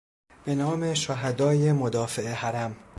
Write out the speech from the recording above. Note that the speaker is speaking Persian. به نام شهدای مدافع حرم